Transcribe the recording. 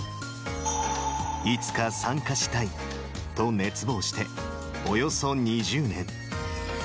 いつか参加したいと熱望して、およそ２０年。